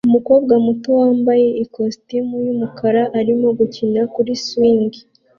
Umukobwa muto wambaye ikositimu yumukara arimo gukina kuri swing